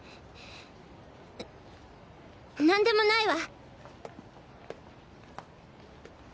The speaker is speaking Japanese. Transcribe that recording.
何でもないわ！